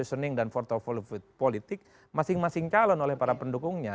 ini soal bagaimana positioning dan portfolio politik masing masing calon oleh para pendukungnya